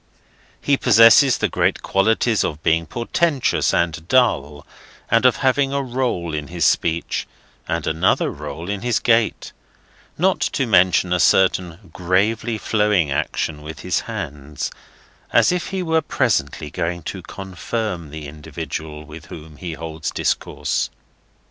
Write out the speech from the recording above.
He possesses the great qualities of being portentous and dull, and of having a roll in his speech, and another roll in his gait; not to mention a certain gravely flowing action with his hands, as if he were presently going to Confirm the individual with whom he holds discourse.